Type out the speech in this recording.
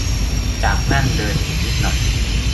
จากนั่นเดินอีกนิดหน่อย